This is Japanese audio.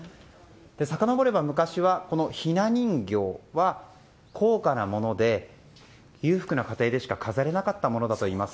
さかのぼれば、昔は雛人形は高価なもので、裕福な家庭でしか飾れなかったものだといいます。